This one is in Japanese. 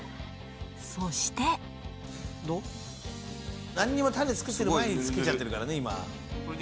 そしてタネ作ってる前につけちゃってるからね。